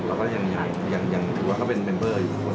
เราก็ยังถือว่าเขาเป็นเมมเบอร์อยู่